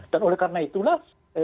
dan oleh karena itulah